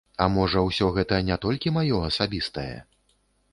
А можа ўсё гэта не толькі маё асабістае?